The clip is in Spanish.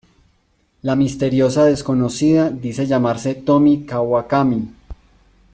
La misteriosa desconocida dice llamarse Tomie Kawakami.